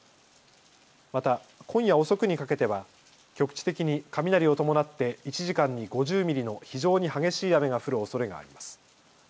また今夜遅くにかけては局地的に雷を伴って１時間に５０ミリの非常に激しい雨が降るおそれがあります。